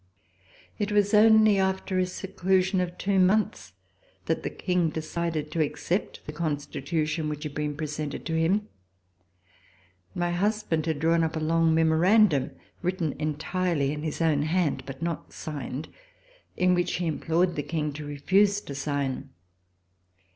It was only after a seclusion of two months that the King decided to accept the Constitution which had been presented to him. My husband had drawn up a long memorandum, written entirely in his own hand but not signed, in which he implored the King to refuse to sign.